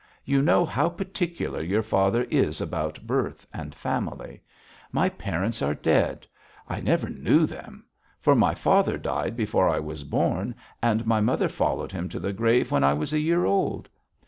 You know how particular your father is about birth and family. My parents are dead; I never knew them; for my father died before I was born, and my mother followed him to the grave when I was a year old.